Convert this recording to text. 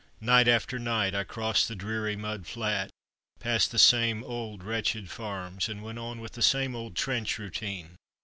Night after night I crossed the dreary mud flat, passed the same old wretched farms, and went on with the same old trench routine.